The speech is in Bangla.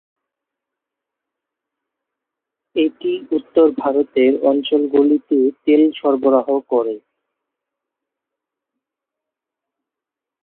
এটি উত্তর ভারতের অঞ্চল গুলিতে তেল সরবরাহ করে।